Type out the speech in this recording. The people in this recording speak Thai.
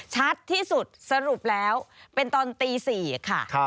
ชัดที่สุดสรุปแล้วเป็นตอนตี๔ค่ะ